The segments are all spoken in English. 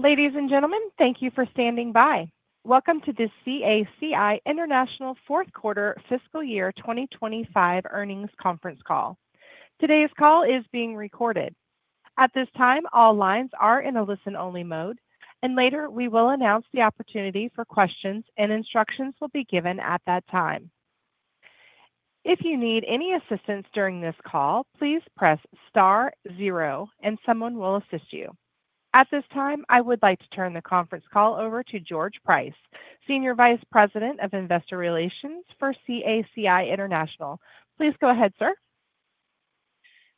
Ladies and gentlemen, thank you for standing by. Welcome to this CACI International Fourth Quarter Fiscal Year 2025 Earnings Conference Call. Today's call is being recorded. At this time, all lines are in a listen-only mode, and later we will announce the opportunity for questions, and instructions will be given at that time. If you need any assistance during this call, please press star zero, and someone will assist you. At this time, I would like to turn the conference call over to George Price, Senior Vice President, Investor Relations for CACI International. Please go ahead, sir.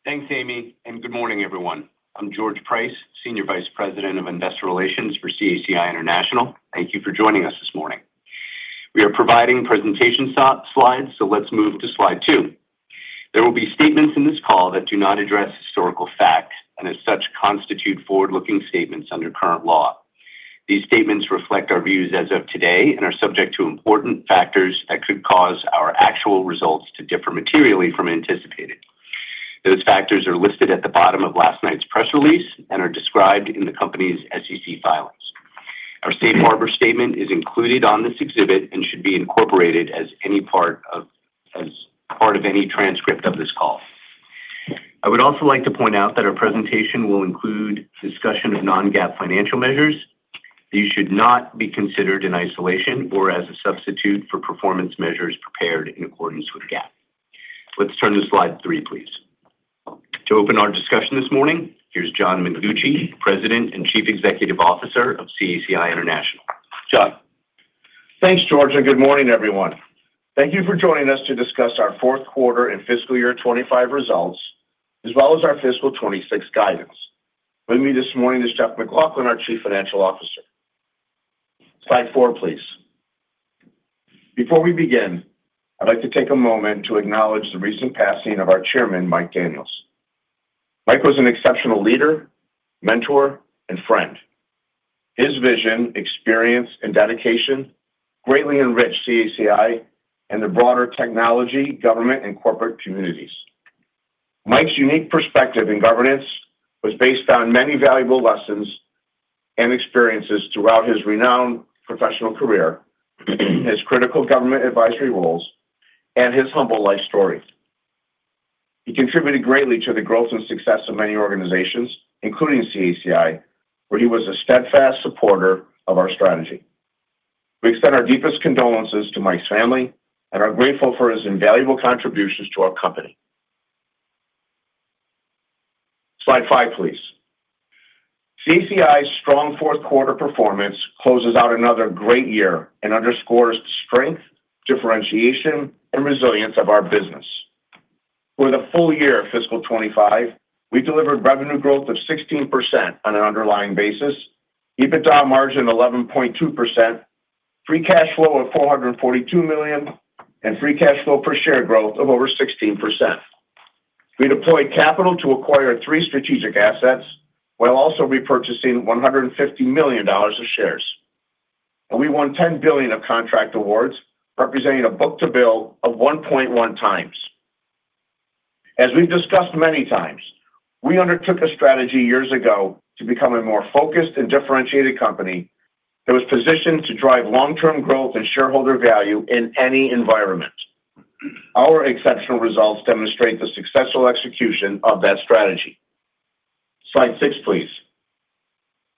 Thanks, Amy, and good morning, everyone. I'm George Price, Senior Vice President of Investor Relations for CACI International. Thank you for joining us this morning. We are providing presentation slides, so let's move to slide two. There will be statements in this call that do not address historical facts, and as such, constitute forward-looking statements under current law. These statements reflect our views as of today and are subject to important factors that could cause our actual results to differ materially from anticipated. Those factors are listed at the bottom of last night's press release and are described in the company's SEC filings. Our Safe Harbor statement is included on this exhibit and should be incorporated as any part of any transcript of this call. I would also like to point out that our presentation will include a discussion of non-GAAP financial measures. These should not be considered in isolation or as a substitute for performance measures prepared in accordance with GAAP. Let's turn to slide three, please. To open our discussion this morning, here's John Mengucci, President and Chief Executive Officer of CACI International Inc. Thanks, George, and good morning, everyone. Thank you for joining us to discuss our Fourth Quarter and Fiscal Year 2025 results, as well as our Fiscal 2026 guidance. With me this morning is Jeff MacLauchlan, our Chief Financial Officer. Slide four, please. Before we begin, I'd like to take a moment to acknowledge the recent passing of our Chairman, Mike Daniels. Mike was an exceptional leader, mentor, and friend. His vision, experience, and dedication greatly enriched CACI and the broader technology, government, and corporate communities. Mike's unique perspective in governance was based on many valuable lessons and experiences throughout his renowned professional career, his critical government advisory roles, and his humble life stories. He contributed greatly to the growth and success of many organizations, including CACI International Inc, where he was a steadfast supporter of our strategy. We extend our deepest condolences to Mike's family and are grateful for his invaluable contributions to our company. Slide five, please. CACI's strong Fourth Quarter performance closes out another great year and underscores the strength, differentiation, and resilience of our business. For the full year of Fiscal 2025, we delivered revenue growth of 16% on an underlying basis, EBITDA margin of 11.2%, free cash flow of $442 million, and free cash flow per share growth of over 16%. We deployed capital to acquire three strategic assets while also repurchasing $150 million of shares. We won $10 billion of contract awards, representing a book-to-bill ratio of 1.1 times. As we've discussed many times, we undertook a strategy years ago to become a more focused and differentiated company that was positioned to drive long-term growth and shareholder value in any environment. Our exceptional results demonstrate the successful execution of that strategy. Slide six, please.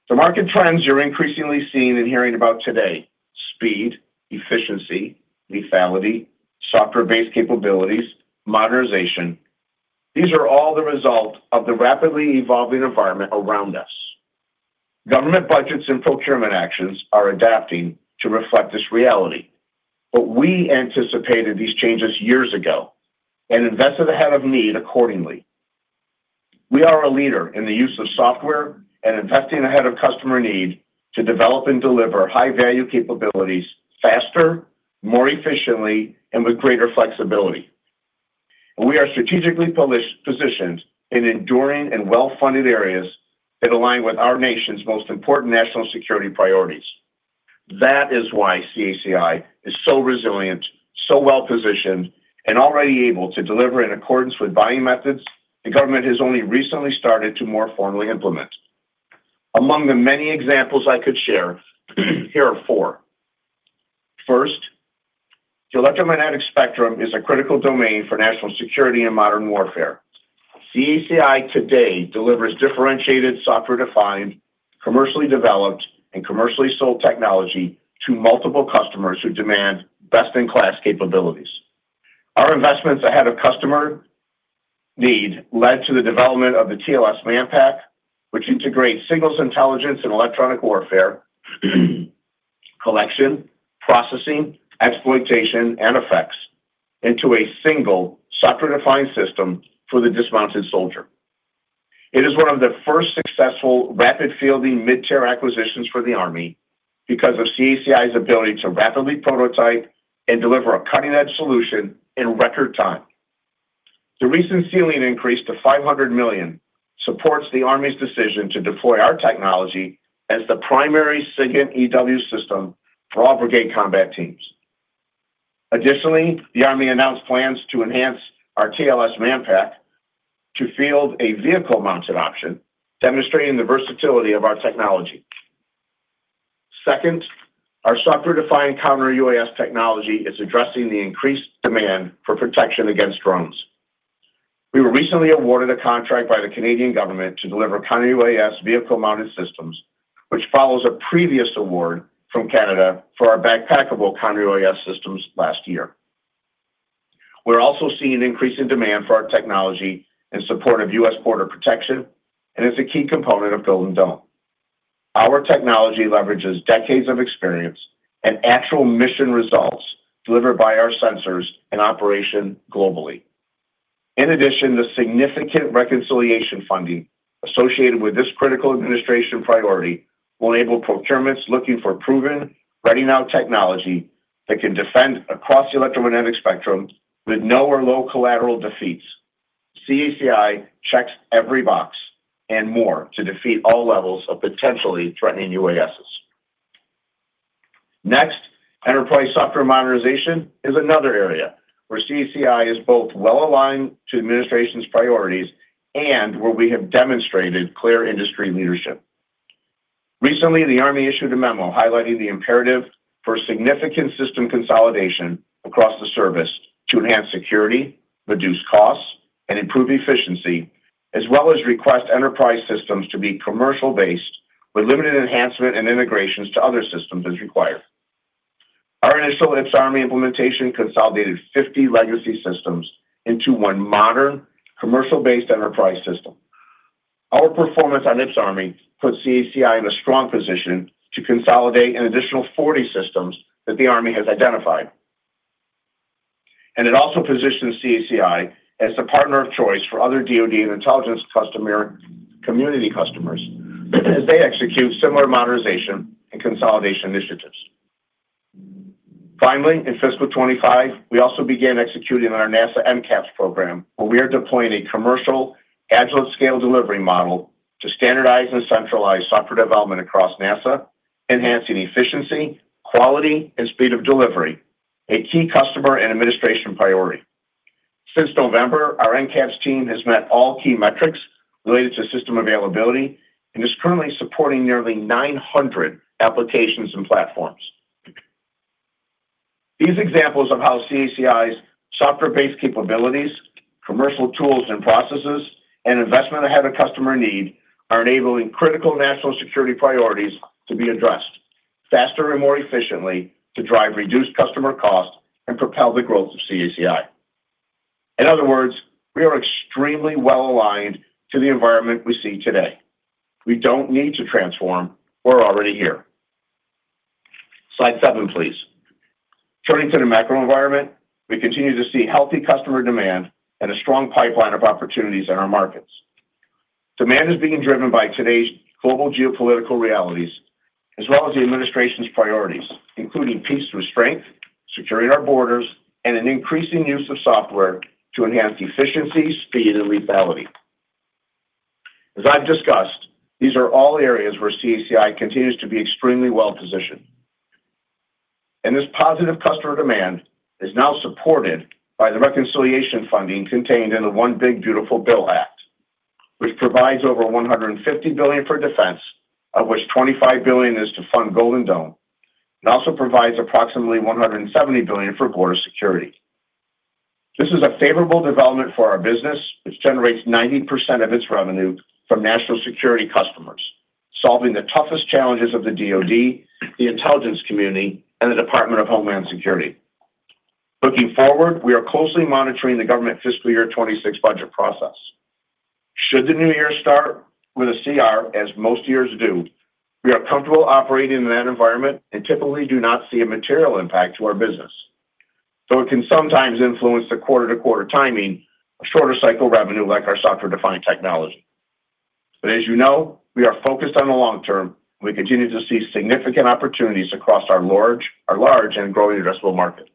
The market trends you're increasingly seeing and hearing about today: speed, efficiency, lethality, software-based capabilities, modernization. These are all the result of the rapidly evolving environment around us. Government budgets and procurement actions are adapting to reflect this reality, but we anticipated these changes years ago and invested ahead of need accordingly. We are a leader in the use of software and investing ahead of customer need to develop and deliver high-value capabilities faster, more efficiently, and with greater flexibility. We are strategically positioned in enduring and well-funded areas that align with our nation's most important national security priorities. That is why CACI is so resilient, so well-positioned, and already able to deliver in accordance with buying methods the government has only recently started to more formally implement. Among the many examples I could share, here are four. First, the electromagnetic spectrum is a critical domain for national security and modern warfare. CACI today delivers differentiated software-defined, commercially developed, and commercially sold technology to multiple customers who demand best-in-class capabilities. Our investments ahead of customer need led to the development of the TLS LAN Pack, which integrates signals intelligence and electronic warfare, collection, processing, exploitation, and effects into a single software-defined system for the dismounted soldier. It is one of the first successful rapid-fielding mid-tier acquisitions for the Army because of CACI's ability to rapidly prototype and deliver a cutting-edge solution in record time. The recent ceiling increase to $500 million supports the Army's decision to deploy our technology as the primary SIGINT EW system for all brigade combat teams. Additionally, the Army announced plans to enhance our TLS LAN Pack to field a vehicle-mounted option, demonstrating the versatility of our technology. Second, our software-defined counter-UAS technology is addressing the increased demand for protection against drones. We were recently awarded a contract by the Canadian government to deliver counter-UAS vehicle-mounted systems, which follows a previous award from Canada for our backpackable counter-UAS systems last year. We're also seeing increasing demand for our technology in support of U.S. border protection, and it's a key component of Golden Dome. Our technology leverages decades of experience and actual mission results delivered by our sensors in operation globally. In addition, the significant reconciliation funding associated with this critical administration priority will enable procurements looking for proven, ready-now technology that can defend across the electromagnetic spectrum with no or low collateral defeats. CACI checks every box and more to defeat all levels of potentially threatening UASs. Next, enterprise software modernization is another area where CACI is both well-aligned to the administration's priorities and where we have demonstrated clear industry leadership. Recently, the Army issued a memo highlighting the imperative for significant system consolidation across the service to enhance security, reduce costs, and improve efficiency, as well as request enterprise systems to be commercial-based with limited enhancement and integrations to other systems as required. Our initial IPS Army implementation consolidated 50 legacy systems into one modern, commercial-based enterprise system. Our performance on IPS Army put CACI in a strong position to consolidate an additional 40 systems that the Army has identified. It also positions CACI as the partner of choice for other DoD and intelligence customer community customers as they execute similar modernization and consolidation initiatives. Finally, in Fiscal 2025, we also began executing on our NASA NCAPS program, where we are deploying a commercial, agile scale delivery model to standardize and centralize software development across NASA, enhancing efficiency, quality, and speed of delivery, a key customer and administration priority. Since November, our NCAPS team has met all key metrics related to system availability and is currently supporting nearly 900 applications and platforms. These examples of how CACI's software-based capabilities, commercial tools and processes, and investment ahead of customer need are enabling critical national security priorities to be addressed faster and more efficiently to drive reduced customer costs and propel the growth of CACI. In other words, we are extremely well-aligned to the environment we see today. We don't need to transform. We're already here. Slide seven, please. Turning to the macro environment, we continue to see healthy customer demand and a strong pipeline of opportunities in our markets. Demand is being driven by today's global geopolitical realities, as well as the administration's priorities, including peace through strength, securing our borders, and an increasing use of software to enhance efficiency, speed, and lethality. As I've discussed, these are all areas where CACI continues to be extremely well-positioned. This positive customer demand is now supported by the reconciliation funding contained in the One Big Beautiful Bill Act, which provides over $150 billion for defense, of which $25 billion is to fund Golden Dome, and also provides approximately $170 billion for border security. This is a favorable development for our business, which generates 90% of its revenue from national security customers, solving the toughest challenges of the DoD, the intelligence community, and the Department of Homeland Security. Looking forward, we are closely monitoring the government Fiscal Year 2026 budget process. Should the new year start with a CR, as most years do, we are comfortable operating in that environment and typically do not see a material impact to our business, though it can sometimes influence the quarter-to-quarter timing of shorter cycle revenue like our software-defined technology. As you know, we are focused on the long term, and we continue to see significant opportunities across our large and growing addressable market.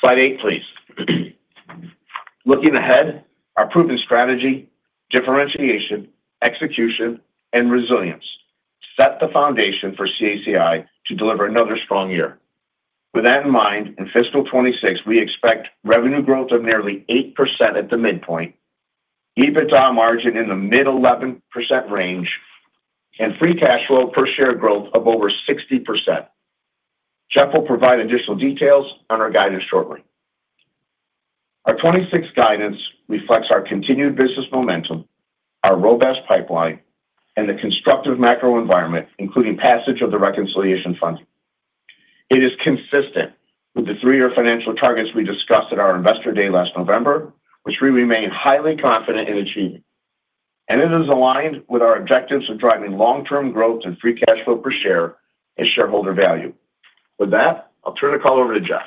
Slide eight, please. Looking ahead, our proven strategy, differentiation, execution, and resilience set the foundation for CACI International Inc to deliver another strong year. With that in mind, in Fiscal 2026, we expect revenue growth of nearly 8% at the midpoint, EBITDA margin in the mid-11% range, and free cash flow per share growth of over 60%. Jeff will provide additional details on our guidance shortly. Our 2026 guidance reflects our continued business momentum, our robust pipeline, and the constructive macro environment, including passage of the reconciliation funding. It is consistent with the three-year financial targets we discussed at our Investor Day last November, which we remain highly confident in achieving. It is aligned with our objectives of driving long-term growth and free cash flow per share and shareholder value. With that, I'll turn the call over to Jeff.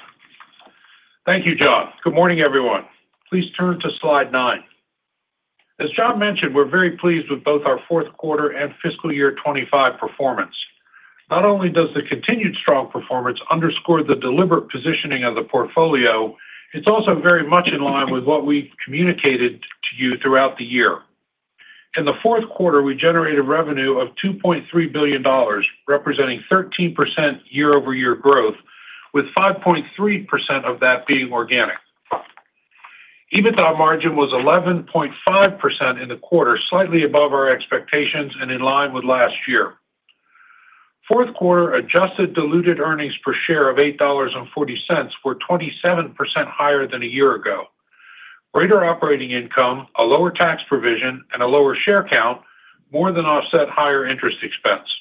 Thank you, John. Good morning, everyone. Please turn to slide nine. As John mentioned, we're very pleased with both our Fourth Quarter and Fiscal Year 2025 performance. Not only does the continued strong performance underscore the deliberate positioning of the portfolio, it's also very much in line with what we communicated to you throughout the year. In the Fourth Quarter, we generated revenue of $2.3 billion, representing 13% year-over-year growth, with 5.3% of that being organic. EBITDA margin was 11.5% in the quarter, slightly above our expectations and in line with last year. Fourth quarter adjusted diluted earnings per share of $8.40 were 27% higher than a year ago. Greater operating income, a lower tax provision, and a lower share count more than offset higher interest expense.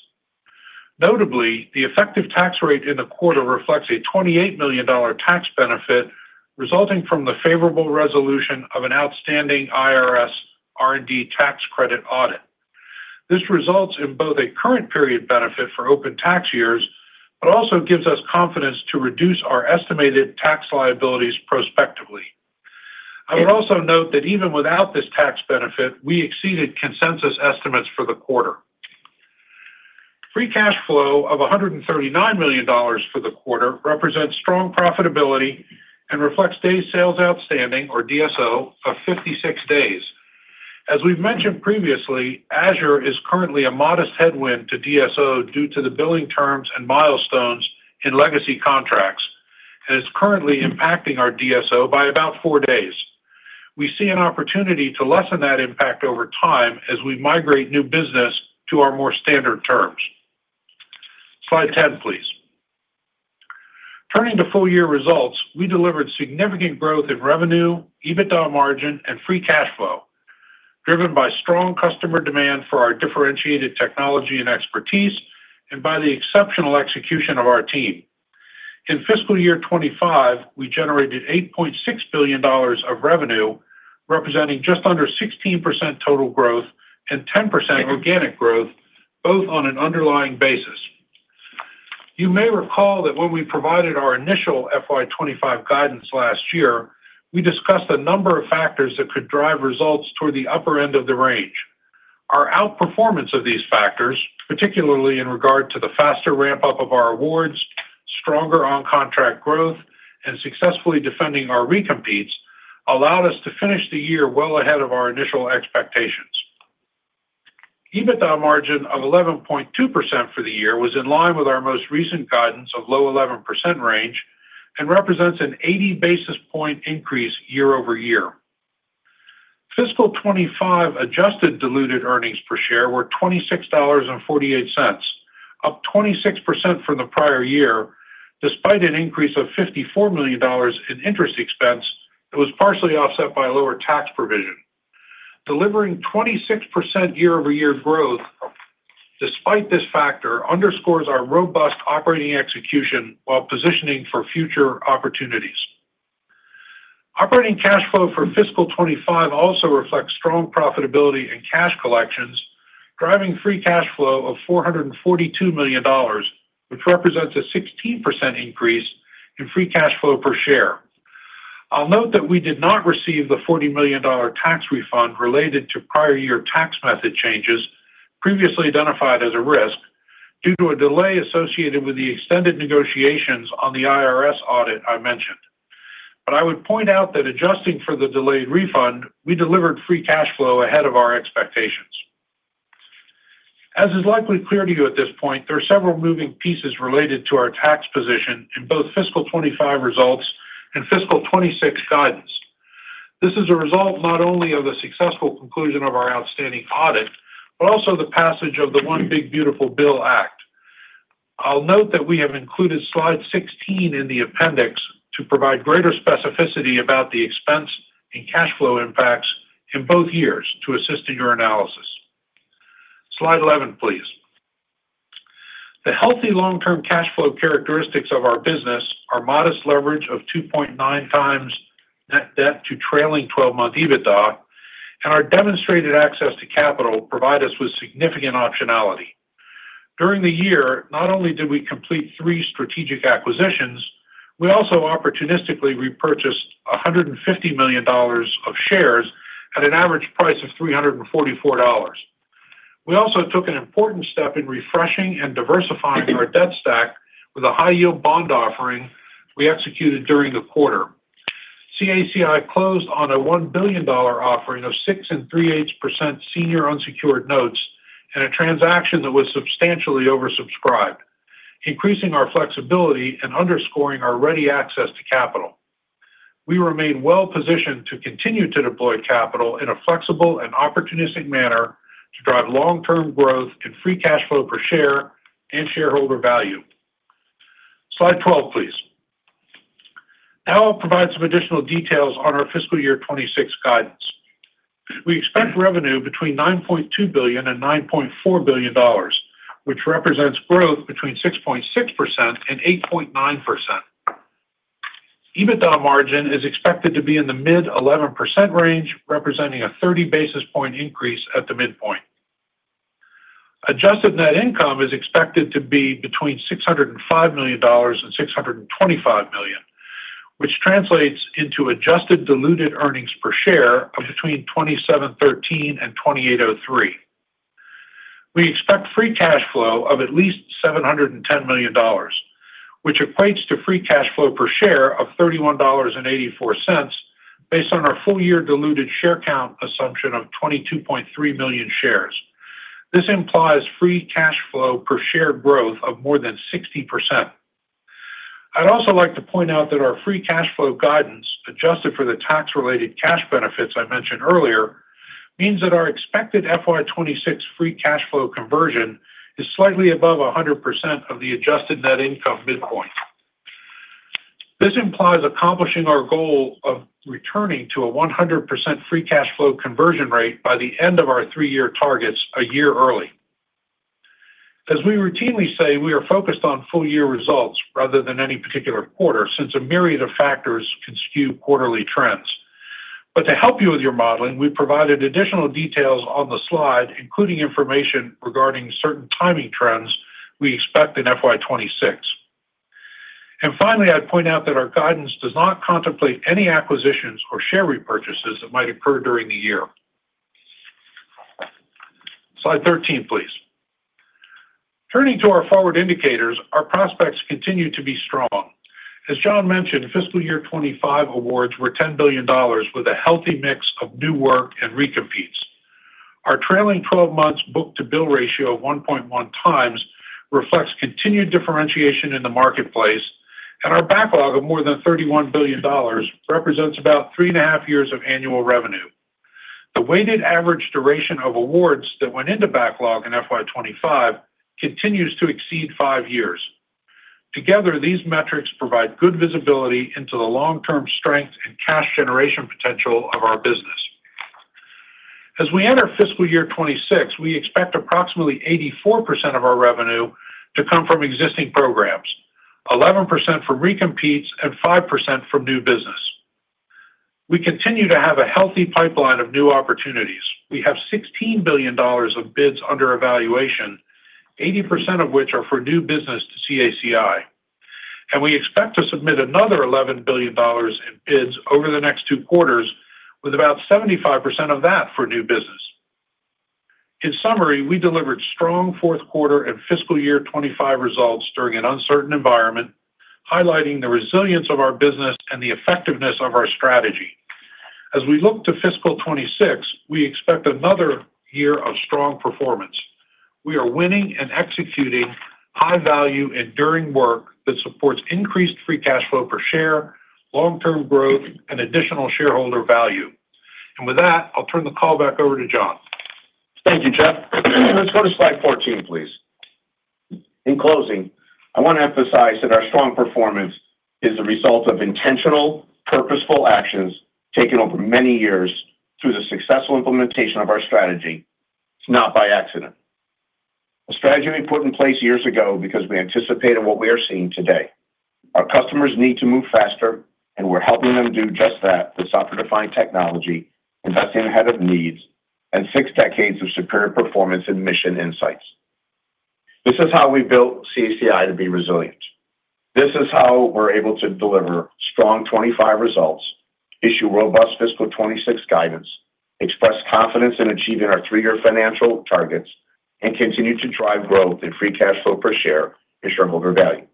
Notably, the effective tax rate in the quarter reflects a $28 million tax benefit resulting from the favorable resolution of an outstanding IRS R&D tax credit audit. This results in both a current period benefit for open tax years, but also gives us confidence to reduce our estimated tax liabilities prospectively. I would also note that even without this tax benefit, we exceeded consensus estimates for the quarter. Free cash flow of $139 million for the quarter represents strong profitability and reflects day sales outstanding, or DSO, of 56 days. As we've mentioned previously, Azure is currently a modest headwind to DSO due to the billing terms and milestones in legacy contracts and is currently impacting our DSO by about four days. We see an opportunity to lessen that impact over time as we migrate new business to our more standard terms. Slide 10, please. Turning to full-year results, we delivered significant growth in revenue, EBITDA margin, and free cash flow, driven by strong customer demand for our differentiated technology and expertise and by the exceptional execution of our team. In Fiscal Year 2025, we generated $8.6 billion of revenue, representing just under 16% total growth and 10% organic growth, both on an underlying basis. You may recall that when we provided our initial FY 2025 guidance last year, we discussed a number of factors that could drive results toward the upper end of the range. Our outperformance of these factors, particularly in regard to the faster ramp-up of our awards, stronger on-contract growth, and successfully defending our recompetes, allowed us to finish the year well ahead of our initial expectations. EBITDA margin of 11.2% for the year was in line with our most recent guidance of low 11% range and represents an 80 basis point increase year over year. Fiscal 2025 adjusted diluted earnings per share were $26.48, up 26% from the prior year, despite an increase of $54 million in interest expense that was partially offset by a lower tax provision. Delivering 26% year-over-year growth despite this factor underscores our robust operating execution while positioning for future opportunities. Operating cash flow for Fiscal 2025 also reflects strong profitability and cash collections, driving free cash flow of $442 million, which represents a 16% increase in free cash flow per share. I'll note that we did not receive the $40 million tax refund related to prior year tax method changes previously identified as a risk due to a delay associated with the extended negotiations on the IRS audit I mentioned. I would point out that adjusting for the delayed refund, we delivered free cash flow ahead of our expectations. As is likely clear to you at this point, there are several moving pieces related to our tax position in both Fiscal 2025 results and Fiscal 2026 guidance. This is a result not only of the successful conclusion of our outstanding audit, but also the passage of the One Big Beautiful Bill Act. I'll note that we have included slide 16 in the appendix to provide greater specificity about the expense and cash flow impacts in both years to assist in your analysis. Slide 11, please. The healthy long-term cash flow characteristics of our business are modest leverage of 2.9 times net debt to trailing 12-month EBITDA, and our demonstrated access to capital provide us with significant optionality. During the year, not only did we complete three strategic acquisitions, we also opportunistically repurchased $150 million of shares at an average price of $344. We also took an important step in refreshing and diversifying our debt stack with a high-yield bond offering we executed during the quarter. CACI closed on a $1 billion offering of 6.375% senior unsecured notes in a transaction that was substantially oversubscribed, increasing our flexibility and underscoring our ready access to capital. We remain well-positioned to continue to deploy capital in a flexible and opportunistic manner to drive long-term growth and free cash flow per share and shareholder value. Slide 12, please. Now I'll provide some additional details on our Fiscal Year 2026 guidance. We expect revenue between $9.2 billion and $9.4 billion, which represents growth between 6.6% and 8.9%. EBITDA margin is expected to be in the mid-11% range, representing a 30 basis point increase at the midpoint. Adjusted net income is expected to be between $605 million and $625 million, which translates into adjusted diluted earnings per share of between $27.13 and $28.03. We expect free cash flow of at least $710 million, which equates to free cash flow per share of $31.84 based on our full-year diluted share count assumption of 22.3 million shares. This implies free cash flow per share growth of more than 60%. I'd also like to point out that our free cash flow guidance, adjusted for the tax-related cash benefits I mentioned earlier, means that our expected FY 2026 free cash flow conversion is slightly above 100% of the adjusted net income midpoint. This implies accomplishing our goal of returning to a 100% free cash flow conversion rate by the end of our three-year targets a year early. As we routinely say, we are focused on full-year results rather than any particular quarter since a myriad of factors can skew quarterly trends. To help you with your modeling, we provided additional details on the slide, including information regarding certain timing trends we expect in FY 2026. Finally, I'd point out that our guidance does not contemplate any acquisitions or share repurchases that might occur during the year. Slide 13, please. Turning to our forward indicators, our prospects continue to be strong. As John mentioned, Fiscal Year 2025 awards were $10 billion with a healthy mix of new work and recompetes. Our trailing 12 months book-to-bill ratio of 1.1 times reflects continued differentiation in the marketplace, and our backlog of more than $31 billion represents about three and a half years of annual revenue. The weighted average duration of awards that went into backlog in FY 2025 continues to exceed five years. Together, these metrics provide good visibility into the long-term strength and cash generation potential of our business. As we enter Fiscal Year 2026, we expect approximately 84% of our revenue to come from existing programs, 11% from recompetes, and 5% from new business. We continue to have a healthy pipeline of new opportunities. We have $16 billion of bids under evaluation, 80% of which are for new business to CACI, and we expect to submit another $11 billion in bids over the next two quarters, with about 75% of that for new business. In summary, we delivered strong Fourth Quarter and Fiscal Year 2025 results during an uncertain environment, highlighting the resilience of our business and the effectiveness of our strategy. As we look to Fiscal 2026, we expect another year of strong performance. We are winning and executing high-value, enduring work that supports increased free cash flow per share, long-term growth, and additional shareholder value. With that, I'll turn the call back over to John. Thank you, Jeff. Let's go to slide 14, please. In closing, I want to emphasize that our strong performance is a result of intentional, purposeful actions taken over many years through the successful implementation of our strategy. It's not by accident. The strategy we put in place years ago because we anticipated what we are seeing today. Our customers need to move faster, and we're helping them do just that with software-defined technology, investing ahead of needs, and six decades of secure performance and mission insights. This is how we built CACI to be resilient. This is how we're able to deliver strong 2025 results, issue robust Fiscal 2026 guidance, express confidence in achieving our three-year financial targets, and continue to drive growth in free cash flow per share and shareholder value.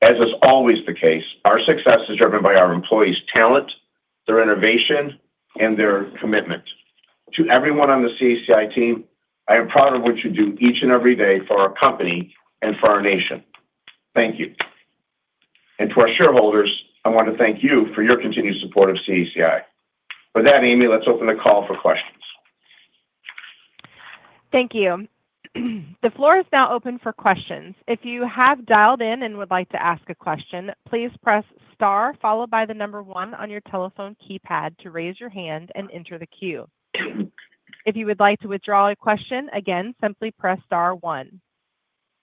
As is always the case, our success is driven by our employees' talent, their innovation, and their commitment. To everyone on the CACI team, I am proud of what you do each and every day for our company and for our nation. Thank you. To our shareholders, I want to thank you for your continued support of CACI. With that, Amy, let's open the call for questions. Thank you. The floor is now open for questions. If you have dialed in and would like to ask a question, please press * followed by the number one on your telephone keypad to raise your hand and enter the queue. If you would like to withdraw a question, again, simply press star one.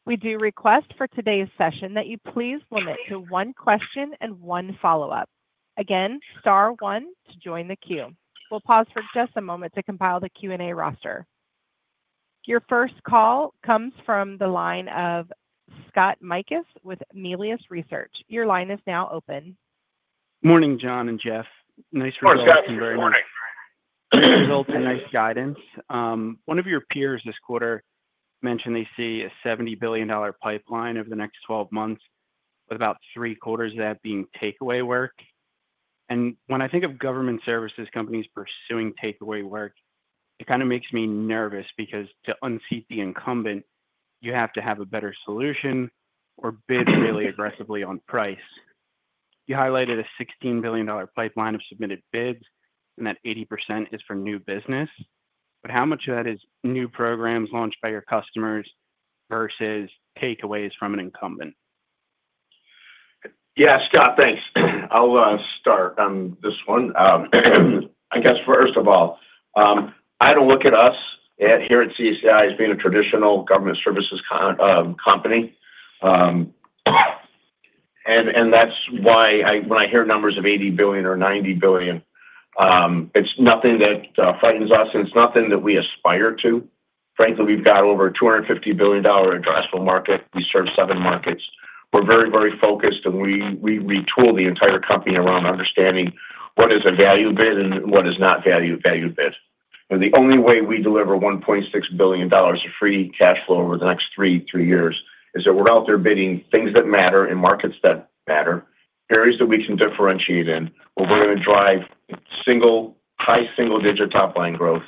We do request for today's session that you please limit to one question and one follow-up. Again, star one to join the queue. We'll pause for just a moment to compile the Q&A roster. Your first call comes from the line of Scott Mikus with Melius Research. Your line is now open. Morning, John and Jeff. Nice to be with you very much. Resulting in nice guidance. One of your peers this quarter mentioned they see a $70 billion pipeline over the next 12 months, with about three quarters of that being takeaway work. When I think of government services companies pursuing takeaway work, it kind of makes me nervous because to unseat the incumbent, you have to have a better solution or bid really aggressively on price. You highlighted a $16 billion pipeline of submitted bids, and that 80% is for new business. How much of that is new programs launched by your customers versus takeaways from an incumbent? Yeah, Scott, thanks. I'll start on this one. First of all, I don't look at us here at CACI International Inc as being a traditional government services company. That's why when I hear numbers of $80 billion or $90 billion, it's nothing that frightens us, and it's nothing that we aspire to. Frankly, we've got over a $250 billion addressable market. We serve seven markets. We're very, very focused, and we retool the entire company around understanding what is a value bid and what is not a value bid. The only way we deliver $1.6 billion of free cash flow over the next three years is that we're out there bidding things that matter in markets that matter, areas that we can differentiate in, where we're going to drive single-price, single-digit top-line growth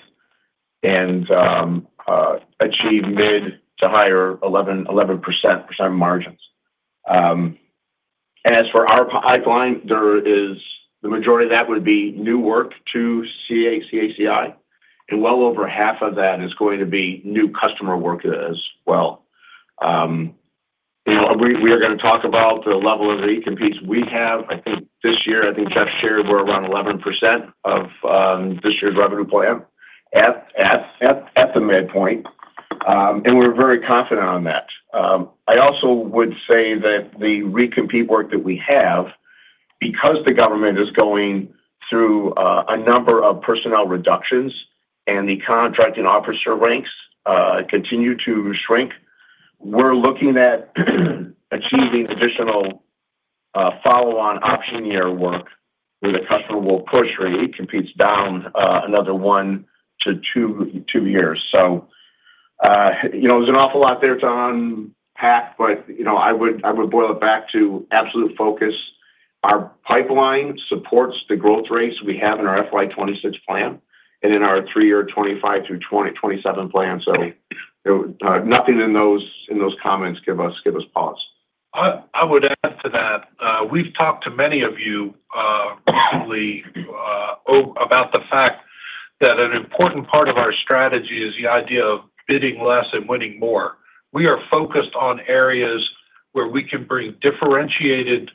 and achieve mid to higher 11% margins. As for our pipeline, the majority of that would be new work to CACI International Inc, and well over half of that is going to be new customer work as well. We are going to talk about the level of the recompetes we have. I think this year, I think Jeff shared we're around 11% of this year's revenue plan at the midpoint, and we're very confident on that. I also would say that the recompete work that we have, because the government is going through a number of personnel reductions and the contracting officer ranks continue to shrink, we're looking at achieving additional follow-on option year work where the customer will push recompetes down another one to two years. There's an awful lot there to unpack, but I would boil it back to absolute focus. Our pipeline supports the growth rates we have in our FY 2026 plan and in our three-year 2025 through 2027 plan. Nothing in those comments gives us pause. I would add to that. We've talked to many of you recently about the fact that an important part of our strategy is the idea of bidding less and winning more. We are focused on areas where we can bring differentiated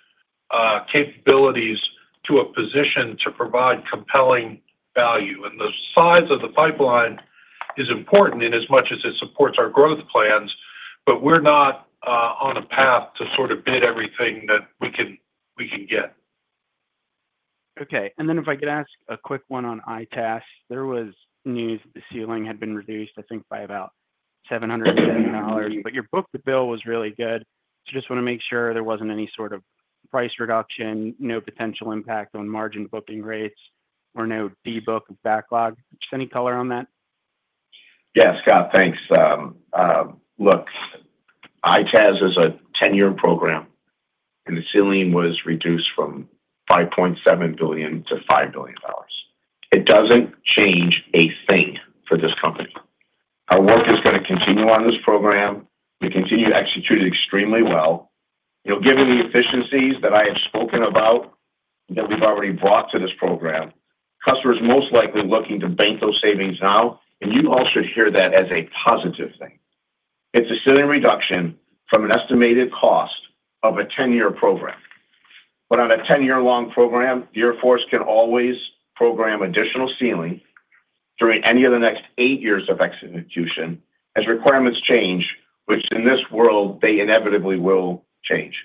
capabilities to a position to provide compelling value. The size of the pipeline is important in as much as it supports our growth plans, but we're not on a path to sort of bid everything that we can get. Okay. If I could ask a quick one on ITAS. There was news the ceiling had been reduced, I think, by about $700 million, but your book-to-bill was really good. I just want to make sure there wasn't any sort of price reduction, no potential impact on margin booking rates, or no debook backlog. Just any color on that? Yeah, Scott, thanks. Look, ITAS is a 10-year program, and the ceiling was reduced from $5.7 billion to $5 billion. It doesn't change a thing for this company. Our work is going to continue on this program. We continue to execute it extremely well. You'll get any efficiencies that I have spoken about that we've already brought to this program. Customers are most likely looking to bank those savings now, and you all should hear that as a positive thing. It's a ceiling reduction from an estimated cost of a 10-year program. On a 10-year-long program, the Air Force can always program additional ceiling during any of the next eight years of execution as requirements change, which in this world they inevitably will change.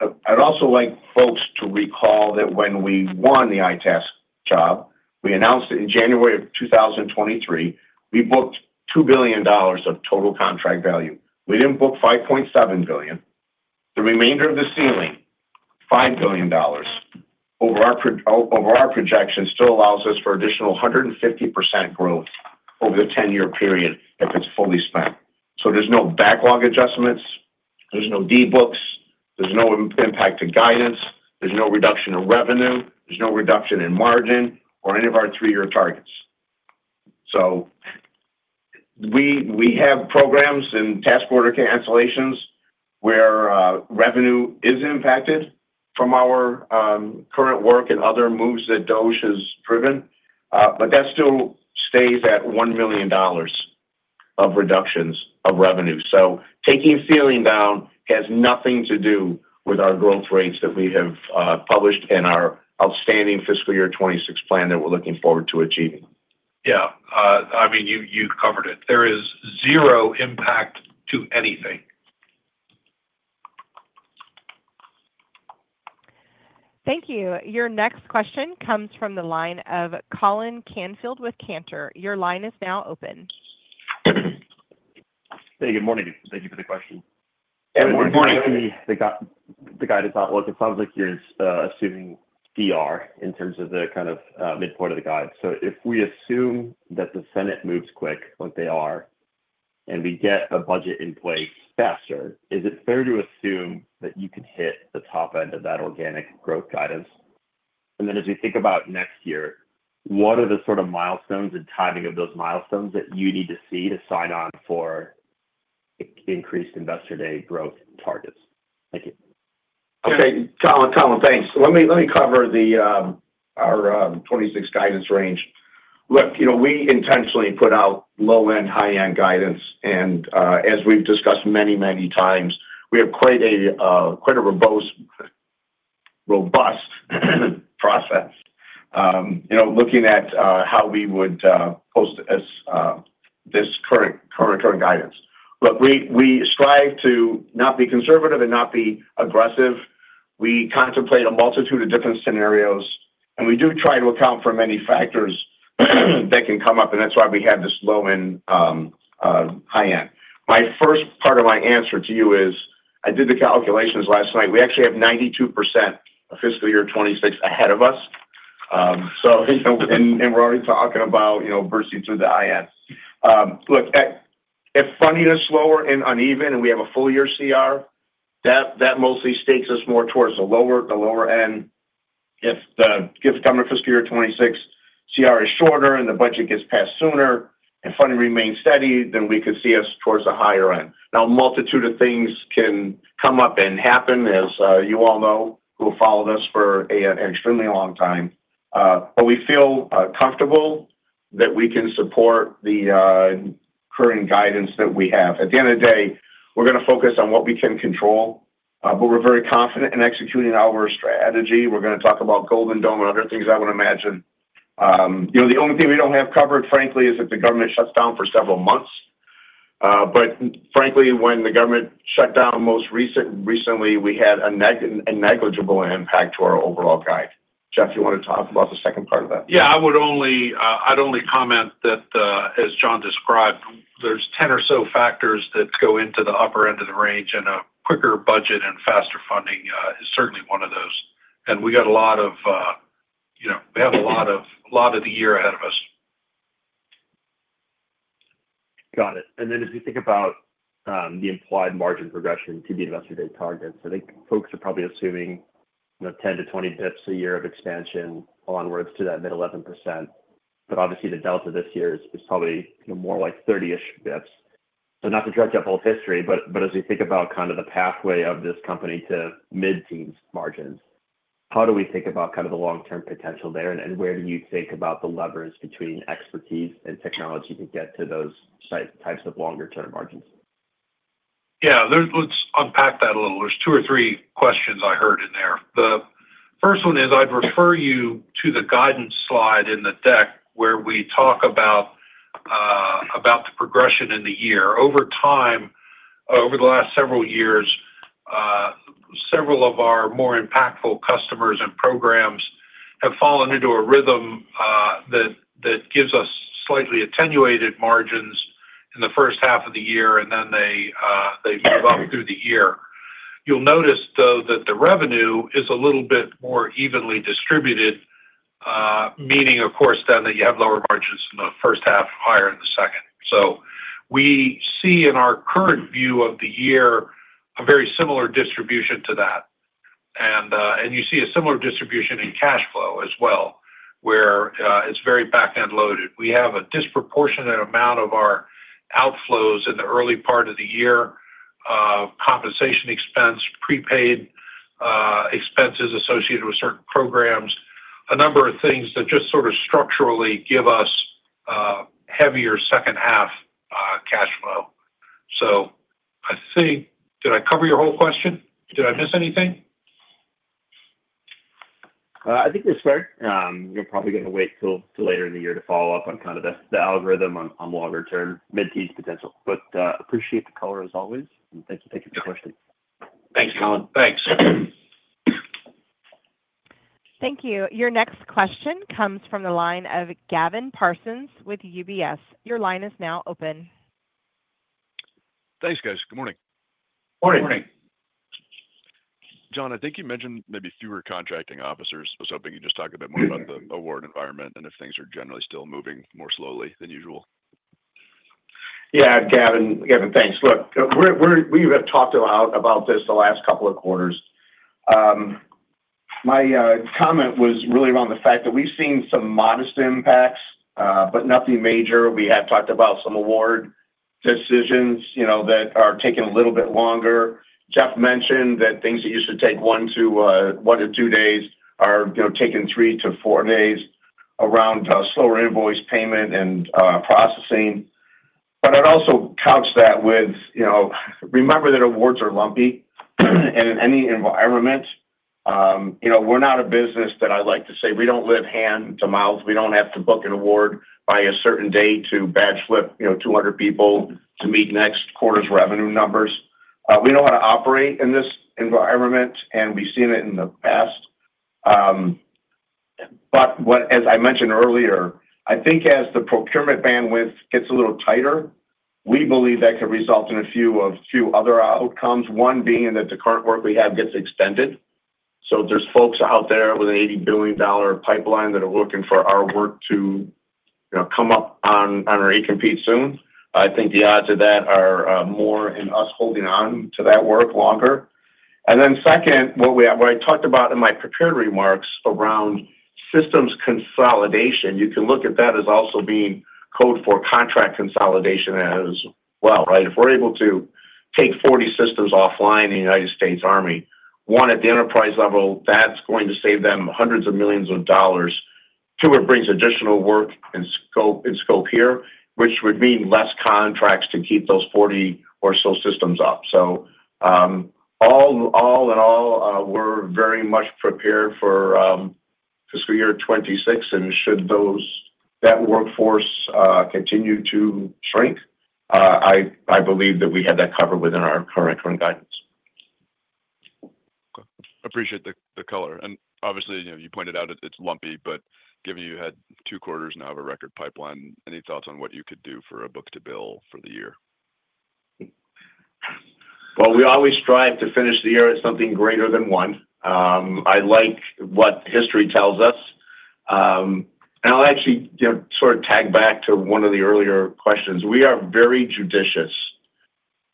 I'd also like folks to recall that when we won the ITAS job, we announced that in January of 2023, we booked $2 billion of total contract value. We didn't book $5.7 billion. The remainder of the ceiling, $5 billion, over our projection, still allows us for additional 150% growth over the 10-year period if it's fully spent. There's no backlog adjustments. There's no debooks. There's no impact to guidance. There's no reduction in revenue. There's no reduction in margin or any of our three-year targets. We have programs and task order cancellations where revenue is impacted from our current work and other moves that DOGE has driven, but that still stays at $1 million of reductions of revenue. Taking a ceiling down has nothing to do with our growth rates that we have published in our outstanding Fiscal Year 2026 plan that we're looking forward to achieving. Yeah, I mean, you've covered it. There is zero impact to anything. Thank you. Your next question comes from the line of Colin Canfield with Cantor. Your line is now open. Hey, good morning. Thank you for the question. Good morning. The guidance outlook, it sounds like you're assuming DR in terms of the kind of midpoint of the guide. If we assume that the Senate moves quick, like they are, and we get a budget in place faster, is it fair to assume that you could hit the top end of that organic growth guidance? As we think about next year, what are the sort of milestones and timing of those milestones that you need to see to sign on for increased Investor Day growth targets? Thank you. Okay, Colin, thanks. Let me cover our 2026 guidance range. We intentionally put out low-end, high-end guidance, and as we've discussed many, many times, we have quite a robust process. Looking at how we would post this current guidance, we strive to not be conservative and not be aggressive. We contemplate a multitude of different scenarios, and we do try to account for many factors that can come up, and that's why we have this low-end, high-end. My first part of my answer to you is I did the calculations last night. We actually have 92% of Fiscal Year 2026 ahead of us. We're already talking about bursting through the high-end. If funding is slower and uneven and we have a full-year CR, that mostly stakes us more towards the lower end. If the government Fiscal Year 2026 CR is shorter and the budget gets passed sooner and funding remains steady, then we could see us towards the higher end. A multitude of things can come up and happen, as you all know who have followed us for an extremely long time. We feel comfortable that we can support the current guidance that we have. At the end of the day, we're going to focus on what we can control, but we're very confident in executing our strategy. We're going to talk about Golden Dome and other things I would imagine. The only thing we don't have covered, frankly, is if the government shuts down for several months. Frankly, when the government shut down most recently, we had a negligible impact to our overall guide. Jeff, you want to talk about the second part of that? I would only comment that, as John described, there's 10 or so factors that go into the upper end of the range, and a quicker budget and faster funding is certainly one of those. We have a lot of the year ahead of us. Got it. As you think about the implied margin progression to the Investor Day targets, I think folks are probably assuming 10 to 20 bps a year of expansion onwards to that mid 11%. Obviously, the delta this year is probably more like 30-ish bps. Not to dredge up old history, as we think about kind of the pathway of this company to mid-teens margins, how do we think about kind of the long-term potential there? Where do you think about the leverage between expertise and technology to get to those types of longer-term margins? Yeah, let's unpack that a little. There are two or three questions I heard in there. The first one is I'd refer you to the guidance slide in the deck where we talk about the progression in the year. Over time, over the last several years, several of our more impactful customers and programs have fallen into a rhythm that gives us slightly attenuated margins in the first half of the year, and then they move up through the year. You'll notice, though, that the revenue is a little bit more evenly distributed, meaning, of course, that you have lower budgets in the first half, higher in the second. We see in our current view of the year a very similar distribution to that. You see a similar distribution in cash flow as well, where it's very back-end loaded. We have a disproportionate amount of our outflows in the early part of the year, compensation expense, prepaid expenses associated with certain programs, a number of things that just structurally give us heavier second half cash flow. I think, did I cover your whole question? Did I miss anything? I think it was fair. You're probably going to wait till later in the year to follow up on kind of the algorithm on longer term, mid-teens potential. I appreciate the color as always, and thank you for the question. Thanks, John. Thanks. Thank you. Your next question comes from the line of Gavin Parsons with UBS. Your line is now open. Thanks, guys. Good morning. Morning. Good morning. John, I think you mentioned maybe fewer contracting officers. I was hoping you could just talk a bit more about the award environment and if things are generally still moving more slowly than usual. Yeah, Gavin, thanks. Look, we've talked a lot about this the last couple of quarters. My comment was really around the fact that we've seen some modest impacts, but nothing major. We have talked about some award decisions that are taking a little bit longer. Jeff mentioned that things that used to take one to two days are taking three to four days around slower invoice payment and processing. I'd also couch that with, remember that awards are lumpy. In any environment, we're not a business that I like to say we don't live hand to mouth. We don't have to book an award by a certain day to bad slip 200 people to meet next quarter's revenue numbers. We know how to operate in this environment, and we've seen it in the past. As I mentioned earlier, I think as the procurement bandwidth gets a little tighter, we believe that could result in a few other outcomes, one being that the current work we have gets extended. If there's folks out there with an $80 billion pipeline that are looking for our work to come up on our incomplete soon, I think the odds of that are more in us holding on to that work longer. What I talked about in my prepared remarks around systems consolidation, you can look at that as also being code for contract consolidation as well, right? If we're able to take 40 systems offline in the United States Army, one at the enterprise level, that's going to save them hundreds of millions of dollars. Two, it brings additional work in scope here, which would mean fewer contracts to keep those 40 or so systems up. All in all, we're very much prepared for Fiscal Year 2026. Should that workforce continue to shrink, I believe that we had that covered within our current guidance. Appreciate the color. Obviously, you know, you pointed out it's lumpy, but given you had two quarters now of a record pipeline, any thoughts on what you could do for a book-to-bill for the year? We always strive to finish the year at something greater than one. I like what history tells us. I'll actually sort of tag back to one of the earlier questions. We are very judicious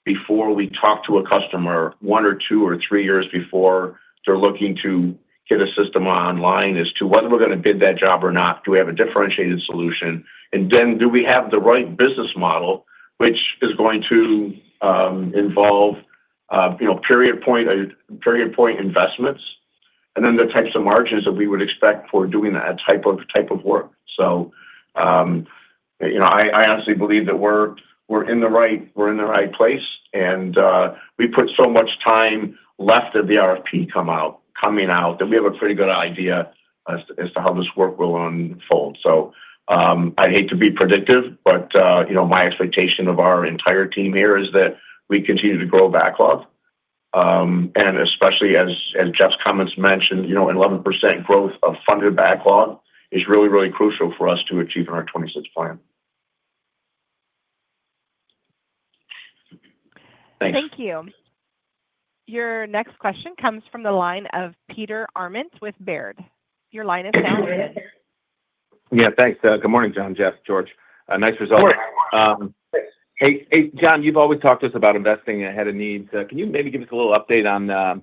before we talk to a customer one or two or three years before they're looking to get a system online as to whether we're going to bid that job or not. Do we have a differentiated solution? Do we have the right business model, which is going to involve period point investments and then the types of margins that we would expect for doing that type of work? I honestly believe that we're in the right place. We put so much time left at the RFP coming out that we have a pretty good idea as to how this work will unfold. I'd hate to be predictive, but my expectation of our entire team here is that we continue to grow backlog. Especially as Jeff's comments mentioned, 11% growth of funded backlog is really, really crucial for us to achieve in our 2026 plan. Thanks. Thank you. Your next question comes from the line of Peter Arment with Baird. Your line is now open. Yeah, thanks. Good morning, John, Jeff, George. Nice result there. Hey, John, you've always talked to us about investing ahead of need. Can you maybe give us a little update on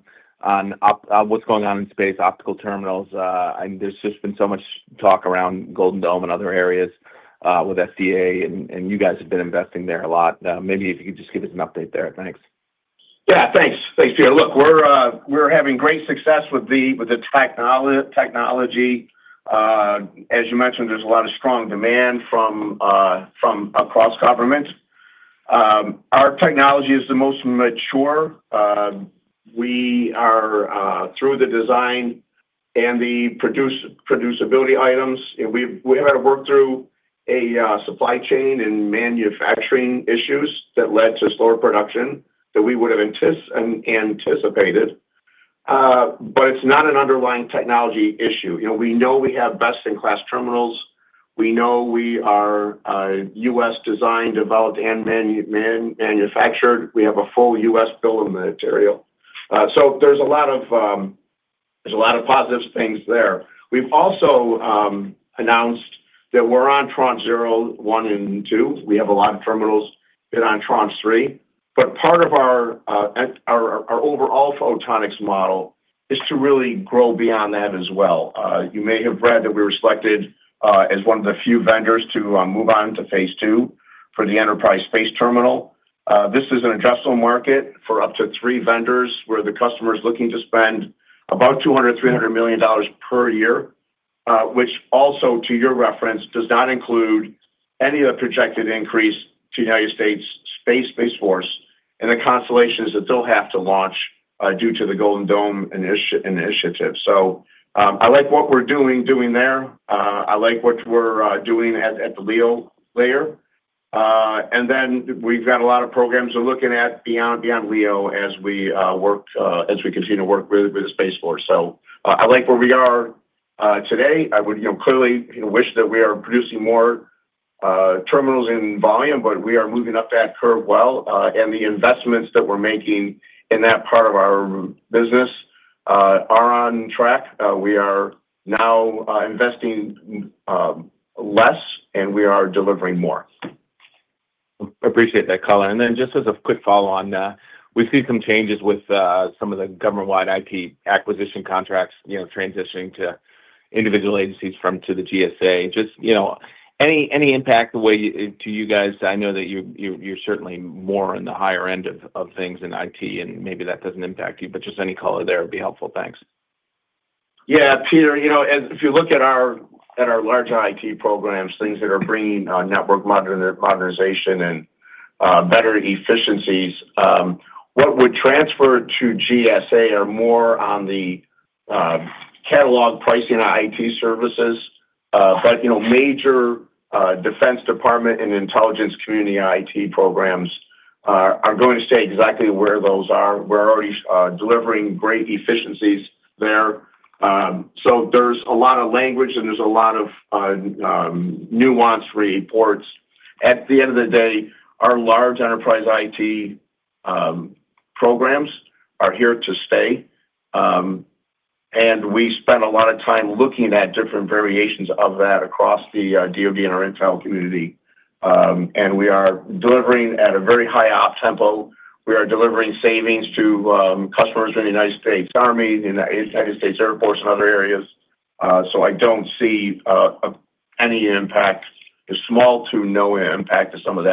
what's going on in space optical terminals? There's just been so much talk around Golden Dome and other areas with SCA, and you guys have been investing there a lot. Maybe if you could just give us an update there. Thanks. Yeah, thanks. Thanks, Peter. Look, we're having great success with the technology. As you mentioned, there's a lot of strong demand from across government. Our technology is the most mature. We are, through the design and the producibility items, we have had to work through supply chain and manufacturing issues that led to slower production than we would have anticipated. It's not an underlying technology issue. We know we have best-in-class terminals. We know we are U.S. designed, developed, and manufactured. We have a full U.S. bill of material. There's a lot of positive things there. We've also announced that we're on tranche zero, one, and two. We have a lot of terminals that are on tranche three. Part of our overall photonics model is to really grow beyond that as well. You may have read that we were selected as one of the few vendors to move on to phase two for the enterprise space terminal. This is an industrial market for up to three vendors where the customer is looking to spend about $200 million, $300 million per year, which also, to your reference, does not include any of the projected increase to the U.S. Space Force and the constellations that they'll have to launch due to the Golden Dome initiative. I like what we're doing there. I like what we're doing at the LEO layer. We've got a lot of programs we're looking at beyond LEO as we continue to work with the Space Force. I like where we are today. I would clearly wish that we are producing more terminals in volume, but we are moving up that curve well. The investments that we're making in that part of our business are on track. We are now investing less, and we are delivering more. Appreciate that color. Just as a quick follow-on, we've seen some changes with some of the government-wide IT acquisition contracts, transitioning to individual agencies from the GSA. Any impact the way to you guys? I know that you're certainly more on the higher end of things in IT, and maybe that doesn't impact you, but any color there would be helpful. Thanks. Yeah, Peter, you know, if you look at our larger IT programs, things that are bringing network modernization and better efficiencies, what we transfer to GSA are more on the catalog pricing IT services. Major Defense Department and Intelligence Community IT programs are going to stay exactly where those are. We're already delivering great efficiencies there. There's a lot of language and there's a lot of nuanced reports. At the end of the day, our large enterprise IT programs are here to stay. We spend a lot of time looking at different variations of that across the DoD and our intel community. We are delivering at a very high tempo. We are delivering savings to customers in the United States Army, the United States Air Force, and other areas. I don't see any impact. It's small to no impact to some of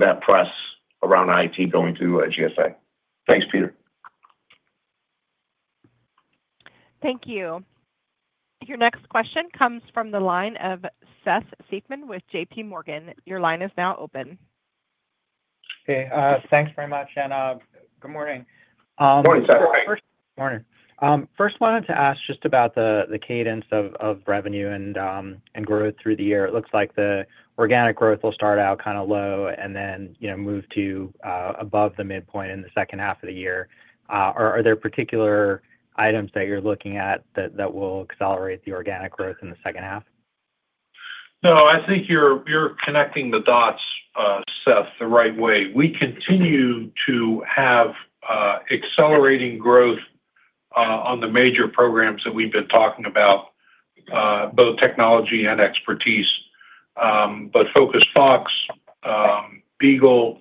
that press around IT going to GSA. Thanks, Peter. Thank you. Your next question comes from the line of Seth Seifman with J.P. Morgan. Your line is now open. Hey, thanks very much, and good morning. Morning, Seth. Morning. First, I wanted to ask just about the cadence of revenue and growth through the year. It looks like the organic growth will start out kind of low and then move to above the midpoint in the second half of the year. Are there particular items that you're looking at that will accelerate the organic growth in the second half? No, I think you're connecting the dots, Seth, the right way. We continue to have accelerating growth on the major programs that we've been talking about, both technology and expertise. Focus Fox, Beagle,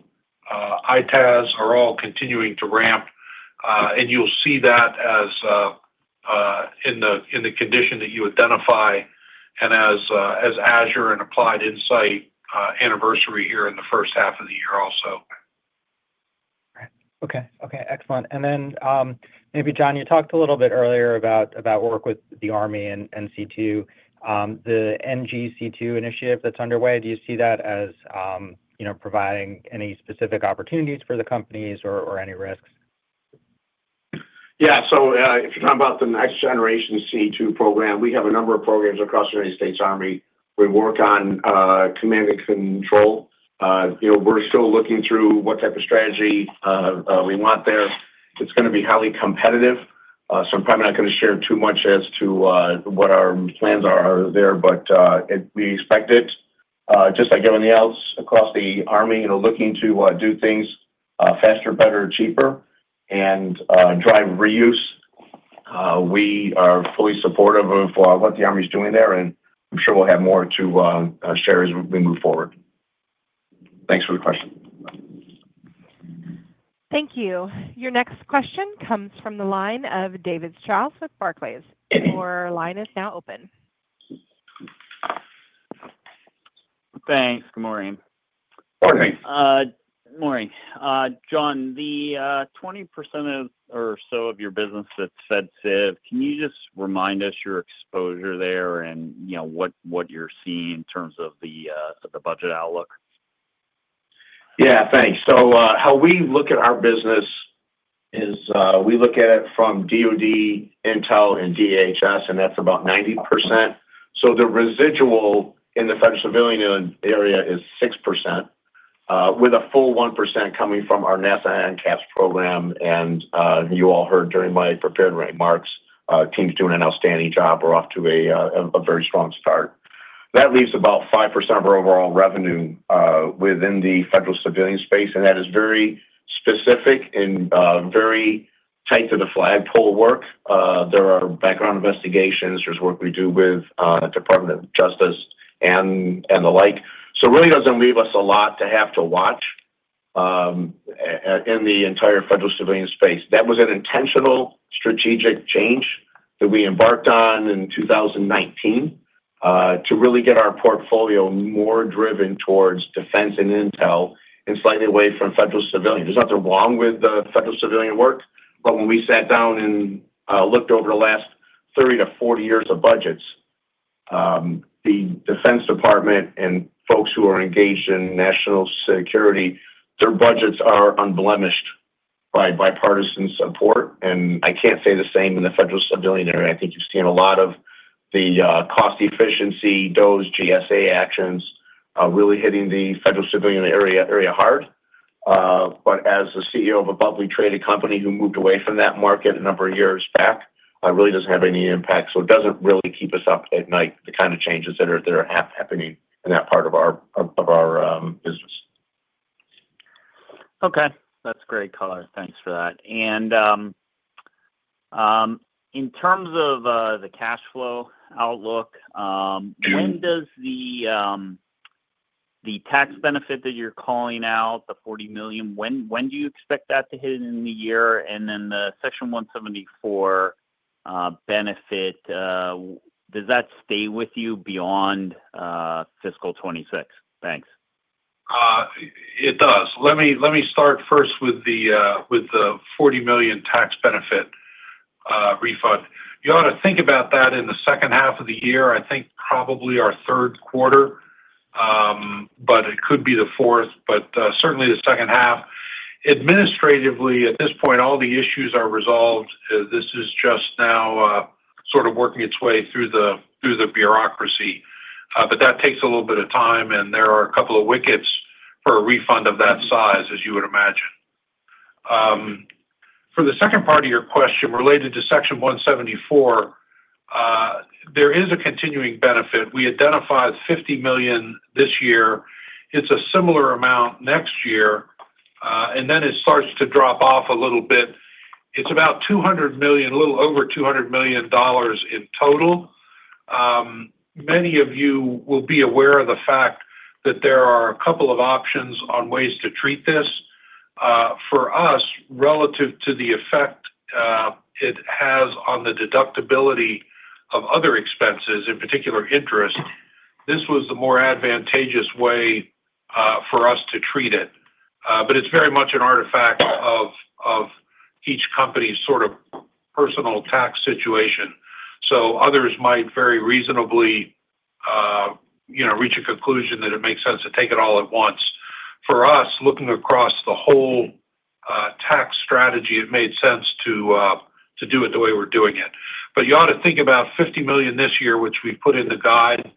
ITAS are all continuing to ramp. You'll see that in the condition that you identify as Azure and Applied Insight anniversary here in the first half of the year also. Okay. Excellent. Maybe, John, you talked a little bit earlier about work with the Army and NG2 initiative that's underway. Do you see that as providing any specific opportunities for the companies or any risks? Yeah. If you're talking about the next generation C2 program, we have a number of programs across the United States Army. We work on command and control. We're still looking through what type of strategy we want there. It's going to be highly competitive. I'm probably not going to share too much as to what our plans are there, but we expect it. Just like everything else across the Army, looking to do things faster, better, cheaper, and drive reuse. We are fully supportive of what the Army is doing there, and I'm sure we'll have more to share as we move forward. Thanks for the question. Thank you. Your next question comes from the line of David Strauss with Barclays. Your line is now open. Thanks. Good morning. Morning. John, the 20% or so of your business that's Fed SIV, can you just remind us your exposure there, and what you're seeing in terms of the budget outlook? Yeah, thanks. How we look at our business is we look at it from DoD, Intel, and DHS, and that's about 90%. The residual in the federal civilian area is 6%, with a full 1% coming from our NASA and ITAS program. You all heard during my prepared remarks, our team's doing an outstanding job. We're off to a very strong start. That leaves about 5% of our overall revenue within the federal civilian space, and that is very specific and very tied to the flagpole work. There are background investigations. There's work we do with the Department of Justice and the like. It really doesn't leave us a lot to have to watch in the entire federal civilian space. That was an intentional strategic change that we embarked on in 2019 to really get our portfolio more driven towards defense and intel and slightly away from federal civilian. There's nothing wrong with the federal civilian work, but when we sat down and looked over the last 30 to 40 years of budgets, the Defense Department and folks who are engaged in national security, their budgets are unblemished by bipartisan support. I can't say the same in the federal civilian area. I think you've seen a lot of the cost efficiency DoD GSA actions really hitting the federal civilian area hard. As the CEO of a publicly traded company who moved away from that market a number of years back, it really doesn't have any impact. It doesn't really keep us up at night, the kind of changes that are happening in that part of our business. Okay. That's great, Colin. Thanks for that. In terms of the cash flow outlook, when does the tax benefit that you're calling out, the $40 million, when do you expect that to hit in the year? The Section 174 benefit, does that stay with you beyond Fiscal 2026? Thanks. It does. Let me start first with the $40 million tax benefit refund. You ought to think about that in the second half of the year, I think probably our third quarter, but it could be the fourth, but certainly the second half. Administratively, at this point, all the issues are resolved. This is just now sort of working its way through the bureaucracy. That takes a little bit of time, and there are a couple of wickets for a refund of that size, as you would imagine. For the second part of your question related to Section 174, there is a continuing benefit. We identified $50 million this year. It's a similar amount next year, and then it starts to drop off a little bit. It's about $200 million, a little over $200 million in total. Many of you will be aware of the fact that there are a couple of options on ways to treat this. For us, relative to the effect it has on the deductibility of other expenses, in particular interest, this was the more advantageous way for us to treat it. It's very much an artifact of each company's sort of personal tax situation. Others might very reasonably reach a conclusion that it makes sense to take it all at once. For us, looking across the whole tax strategy, it made sense to do it the way we're doing it. You ought to think about $50 million this year, which we put in the guide,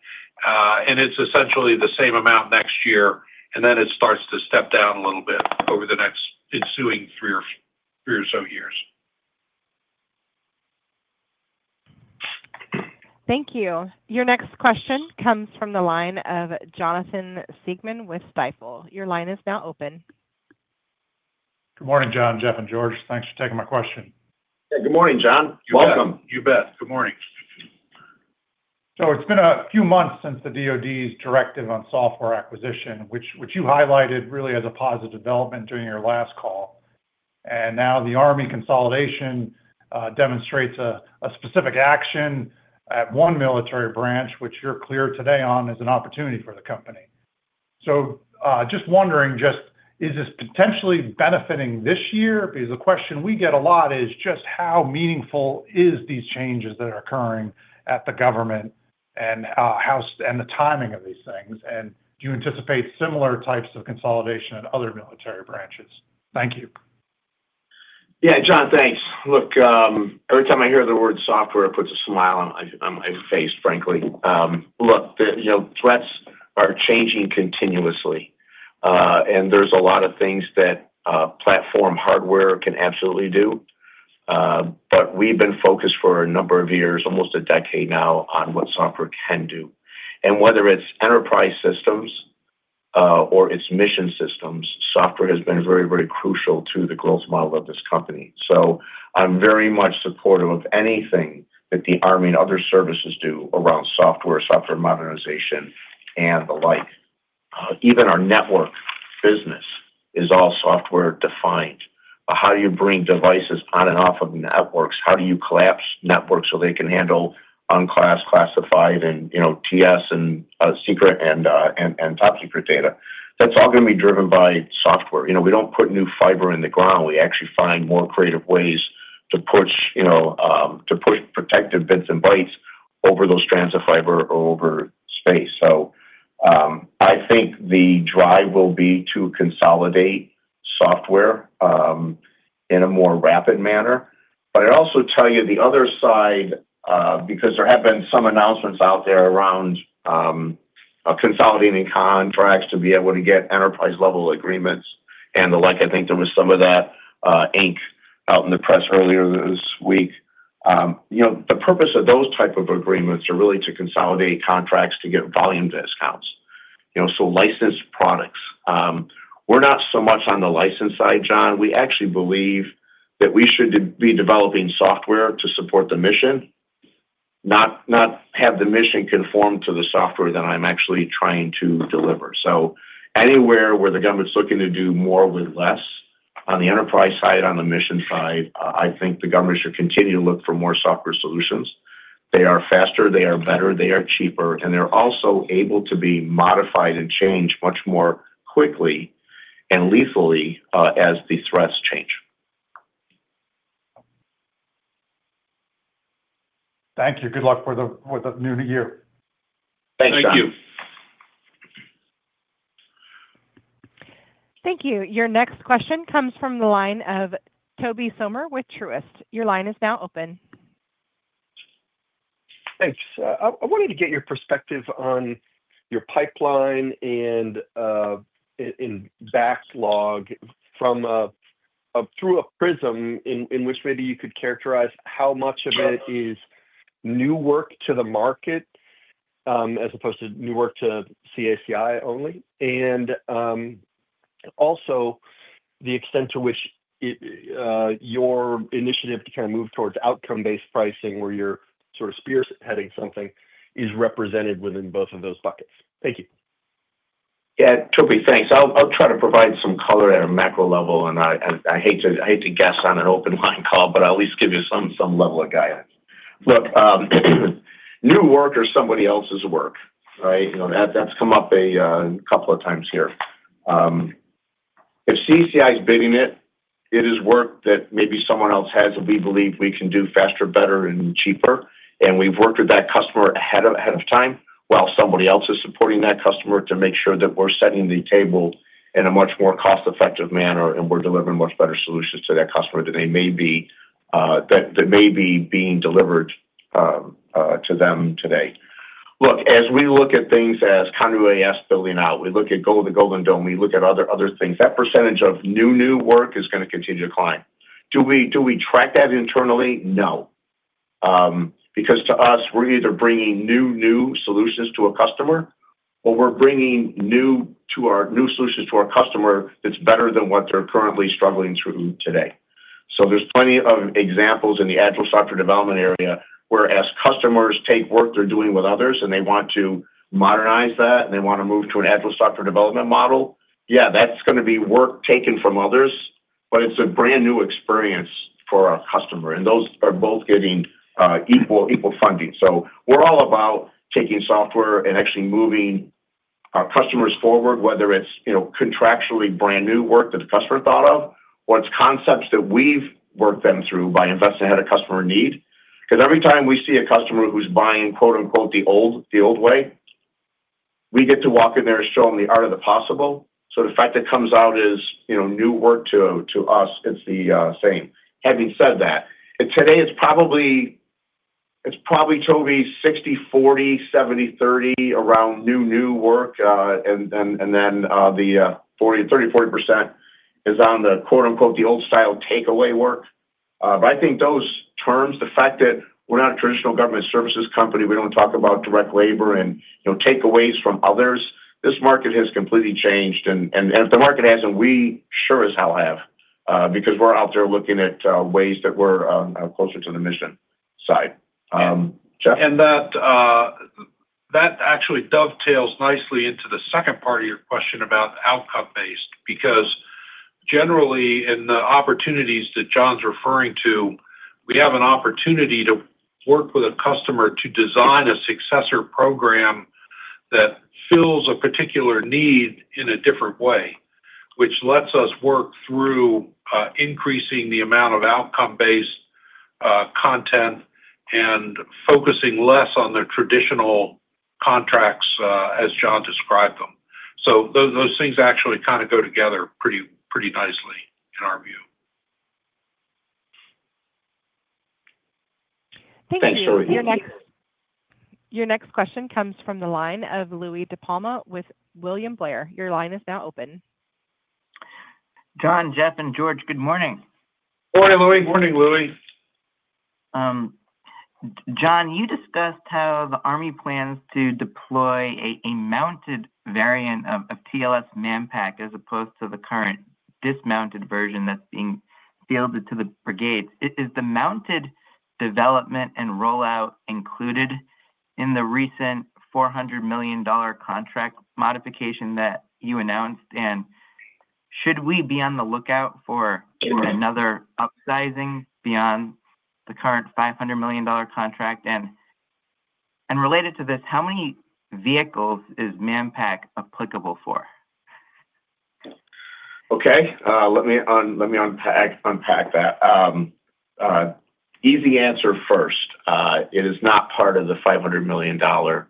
and it's essentially the same amount next year. Then it starts to step down a little bit over the next ensuing three or so years. Thank you. Your next question comes from the line of Jonathan Siegmann with Stifel. Your line is now open. Good morning, John, Jeff, and George. Thanks for taking my question. Yeah, good morning, John. You're welcome. You bet. Good morning. It's been a few months since the DoD's directive on software acquisition, which you highlighted really as a positive development during your last call. Now the Army consolidation demonstrates a specific action at one military branch, which you're clear today on as an opportunity for the company. Just wondering, is this potentially benefiting this year? The question we get a lot is just how meaningful are these changes that are occurring at the government and how and the timing of these things? Do you anticipate similar types of consolidation at other military branches? Thank you. Yeah, John, thanks. Look, every time I hear the word software, it puts a smile on my face, frankly. You know, threats are changing continuously, and there's a lot of things that platform hardware can absolutely do. We've been focused for a number of years, almost a decade now, on what software can do. Whether it's enterprise systems or it's mission systems, software has been very, very crucial to the growth model of this company. I'm very much supportive of anything that the Army and other services do around software, software modernization, and the like. Even our network business is all software-defined. How do you bring devices on and off of networks? How do you collapse networks so they can handle unclassified and, you know, TS and secret and top secret data? That's all going to be driven by software. We don't put new fiber in the ground. We actually find more creative ways to push, you know, to push protective bits and bytes over those strands of fiber or over space. I think the drive will be to consolidate software in a more rapid manner. I'd also tell you the other side, because there have been some announcements out there around consolidating contracts to be able to get enterprise-level agreements and the like. I think there was some of that ink out in the press earlier this week. The purpose of those types of agreements is really to consolidate contracts to get volume discounts, you know, so licensed products. We're not so much on the license side, John. We actually believe that we should be developing software to support the mission, not have the mission conform to the software that I'm actually trying to deliver. Anywhere where the government's looking to do more with less on the enterprise side, on the mission side, I think the government should continue to look for more software solutions. They are faster, they are better, they are cheaper, and they're also able to be modified and changed much more quickly and lethally as the threats change. Thank you. Good luck with the new year. Thanks, John. Thank you. Thank you. Your next question comes from the line of Tobey Sommer with Truist. Your line is now open. Thanks. I wanted to get your perspective on your pipeline and backlog through a prism in which maybe you could characterize how much of it is new work to the market as opposed to new work to CACI only, and also the extent to which your initiative to kind of move towards outcome-based pricing where you're sort of spearheading something is represented within both of those buckets. Thank you. Yeah, Tobey, thanks. I'll try to provide some color at a macro level, and I hate to guess on an open line call, but I'll at least give you some level of guidance. New work or somebody else's work, right? You know, that's come up a couple of times here. If CACI is bidding it, it is work that maybe someone else has that we believe we can do faster, better, and cheaper. We've worked with that customer ahead of time while somebody else is supporting that customer to make sure that we're setting the table in a much more cost-effective manner, and we're delivering much better solutions to that customer than they may be being delivered to them today. Look, as we look at things as Continuous AF building out, we look at the Golden Dome, we look at other things, that percentage of new, new work is going to continue to climb. Do we track that internally? No. To us, we're either bringing new, new solutions to a customer, or we're bringing new solutions to our customer that's better than what they're currently struggling through today. There are plenty of examples in the agile software development area where as customers take work they're doing with others and they want to modernize that and they want to move to an agile software development model, that's going to be work taken from others, but it's a brand new experience for a customer. Those are both getting equal funding. We're all about taking software and actually moving our customers forward, whether it's contractually brand new work that the customer thought of, or it's concepts that we've worked them through by investing in a customer need. Every time we see a customer who's buying quote-unquote "the old way," we get to walk in there and show them the art of the possible. The fact that comes out as new work to us, it's the same. Having said that, today it's probably, Tobey, 60/40, 70/30 around new, new work, and then the 30%/40% is on the quote-unquote "the old style takeaway work." I think those terms, the fact that we're not a traditional government services company, we don't talk about direct labor and takeaways from others, this market has completely changed. If the market hasn't, we sure as hell have because we're out there looking at ways that we're closer to the mission side. Jeff? That actually dovetails nicely into the second part of your question about outcome-based, because generally in the opportunities that John's referring to, we have an opportunity to work with a customer to design a successor program that fills a particular need in a different way, which lets us work through increasing the amount of outcome-based content and focusing less on the traditional contracts as John described them. Those things actually kind of go together pretty nicely in our view. Thank you. Your next question comes from the line of Louie DiPalma with William Blair. Your line is now open. John, Jeff, and George, good morning. Morning, Louie. Morning, Louie. John, you discussed how the Army plans to deploy a mounted variant of TLS LAN Pack as opposed to the current dismounted version that's being fielded to the brigades. Is the mounted development and rollout included in the recent $400 million contract modification that you announced? Should we be on the lookout for another upsizing beyond the current $500 million contract? Related to this, how many vehicles is LAN Pack applicable for? Okay. Let me unpack that. Easy answer first. It is not part of the $500 million TLS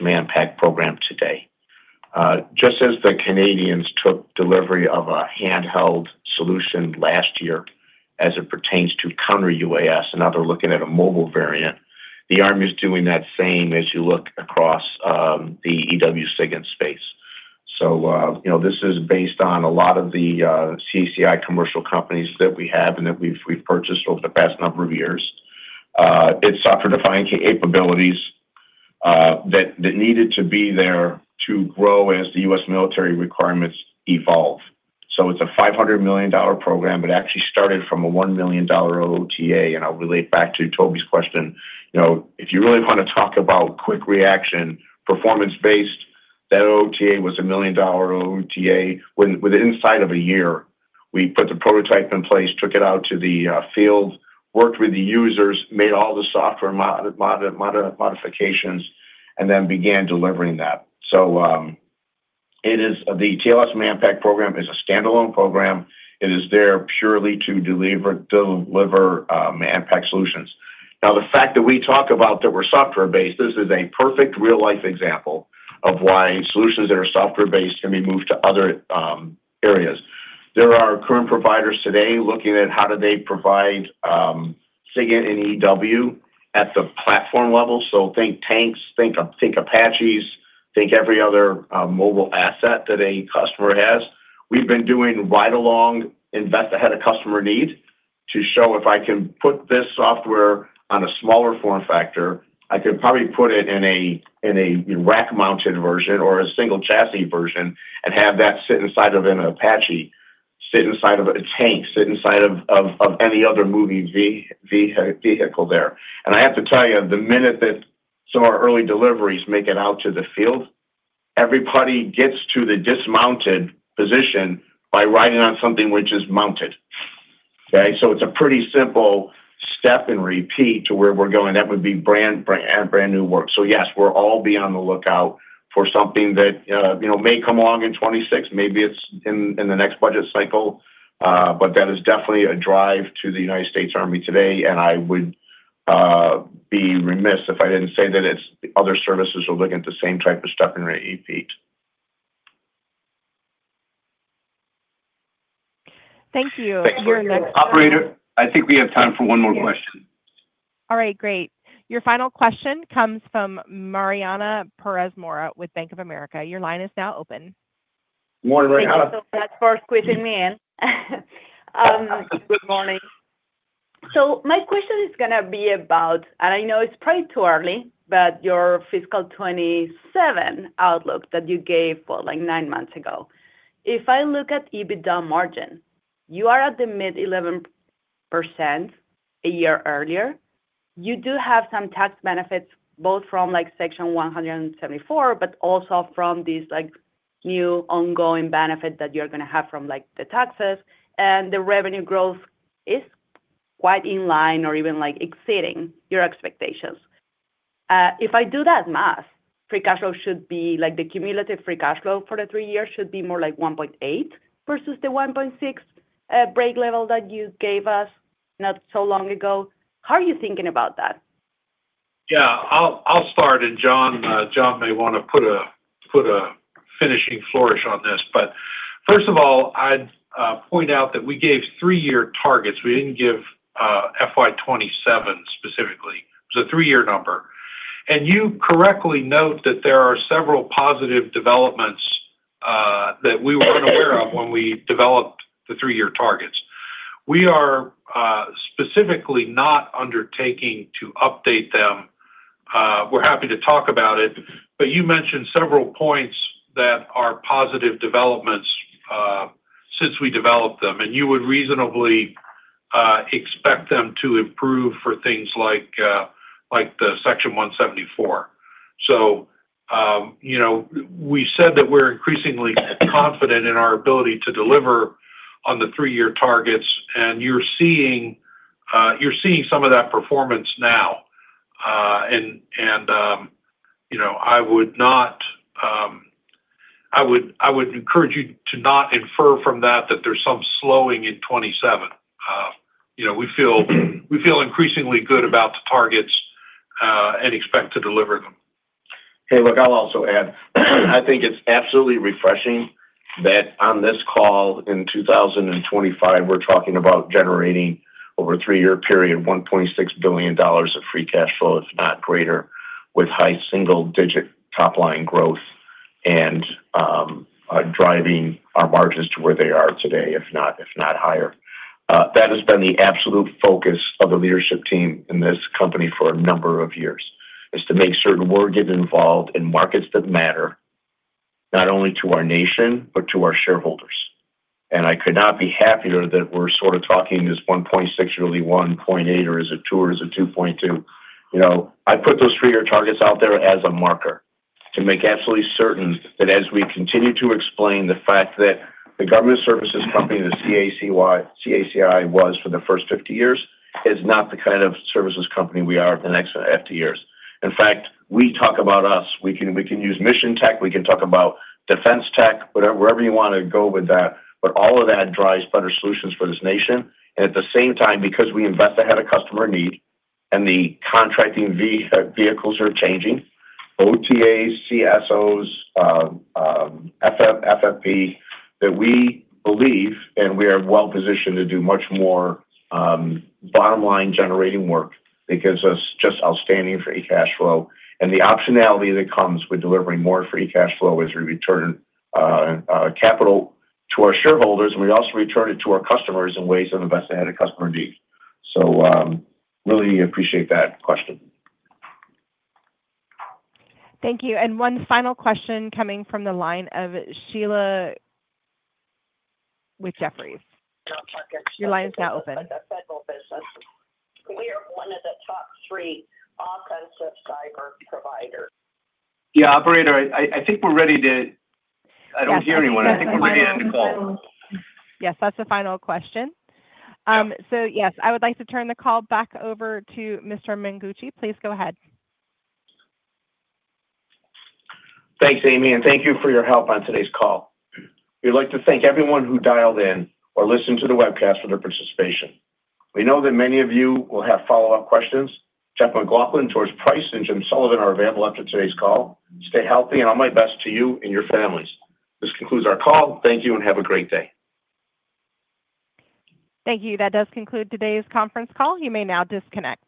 LAN Pack program today. Just as the Canadians took delivery of a handheld solution last year as it pertains to counter-UAS, and now they're looking at a mobile variant, the Army is doing that same as you look across the EW SIGINT space. This is based on a lot of the CACI commercial companies that we have and that we've purchased over the past number of years. It's software-defined capabilities that needed to be there to grow as the U.S. military requirements evolve. It's a $500 million program. It actually started from a $1 million OTA, and I'll relate back to Tobey's question. If you really want to talk about quick reaction, performance-based, that OTA was a $1 million OTA within the inside of a year. We put the prototype in place, took it out to the field, worked with the users, made all the software modifications, and then began delivering that. The TLS LAN Pack program is a standalone program. It is there purely to deliver LAN Pack solutions. The fact that we talk about that we're software-based, this is a perfect real-life example of why solutions that are software-based can be moved to other areas. There are current providers today looking at how do they provide SIGINT and EW at the platform level. Think tanks, think Apaches, think every other mobile asset that any customer has. We've been doing ride-along invest ahead of customer need to show if I can put this software on a smaller form factor, I could probably put it in a rack-mounted version or a single chassis version and have that sit inside of an Apache, sit inside of a tank, sit inside of any other moving vehicle there. I have to tell you, the minute that our early deliveries make it out to the field, everybody gets to the dismounted position by riding on something which is mounted. It's a pretty simple step and repeat to where we're going. That would be brand and brand new work. Yes, we'll all be on the lookout for something that may come along in 2026, maybe it's in the next budget cycle, but that is definitely a drive to the United States Army today. I would be remiss if I didn't say that other services are looking at the same type of stuff in their feet. Thank you. I think we have time for one more question. All right, great. Your final question comes from Mariana Perez Mora with Bank of America. Your line is now open. Morning, Mariana. Hello, thanks for squishing me in. Good morning. My question is going to be about, and I know it's probably too early, your Fiscal 2027 outlook that you gave for like nine months ago. If I look at EBITDA margin, you are at the mid 11% a year earlier. You do have some tax benefits both from like Section 174, but also from this new ongoing benefit that you're going to have from the taxes. The revenue growth is quite in line or even exceeding your expectations. If I do that math, free cash flow should be like the cumulative free cash flow for the three years should be more like $1.8 billion versus the $1.6 billion break level that you gave us not so long ago. How are you thinking about that? I'll start. John may want to put a finishing flourish on this. First of all, I'd point out that we gave three-year targets. We didn't give FY 2027 specifically. It was a three-year number. You correctly note that there are several positive developments that we were unaware of when we developed the three-year targets. We are specifically not undertaking to update them. We're happy to talk about it. You mentioned several points that are positive developments since we developed them. You would reasonably expect them to improve for things like the Section 174. We said that we're increasingly confident in our ability to deliver on the three-year targets. You're seeing some of that performance now. I would encourage you to not infer from that that there's some slowing in 2027. We feel increasingly good about the targets and expect to deliver them. Hey, look, I'll also add, I think it's absolutely refreshing that on this call in 2025, we're talking about generating over a three-year period $1.6 billion of free cash flow, if not greater, with high single-digit top-line growth and driving our margins to where they are today, if not higher. That has been the absolute focus of the leadership team in this company for a number of years, is to make certain we're getting involved in markets that matter not only to our nation, but to our shareholders. I could not be happier that we're sort of talking this $1.6 or the $1.8 or is it $2 or is it $2.2. I put those three-year targets out there as a marker to make absolutely certain that as we continue to explain the fact that the government services company that CACI was for the first 50 years is not the kind of services company we are for the next 50 years. In fact, we talk about us, we can use mission tech, we can talk about defense tech, whatever you want to go with that. All of that drives better solutions for this nation. At the same time, because we invest ahead of customer need and the contracting vehicles are changing, OTAs, CSOs, FFBs, we believe and we are well-positioned to do much more bottom-line generating work that gives us just outstanding free cash flow. The optionality that comes with delivering more free cash flow as we return capital to our shareholders, and we also return it to our customers. on the best ahead of customer need. Really appreciate that question. Thank you. One final question coming from the line of Sheila Kahyaoglu with Jefferies. Your line is now open. We are one of the top three offensive cyber providers. Yeah, operator, I think we're ready to end the call. I don't hear anyone. I think we're ready to end the call. Yes, that's the final question. Yes, I would like to turn the call back over to Mr. Mengucci. Please go ahead. Thanks, Amy, and thank you for your help on today's call. We'd like to thank everyone who dialed in or listened to the webcast for their participation. We know that many of you will have follow-up questions. Jeffrey MacLauchlan, George Price, and Jim Sullivan are available after today's call. Stay healthy and all my best to you and your families. This concludes our call. Thank you and have a great day. Thank you. That does conclude today's conference call. You may now disconnect.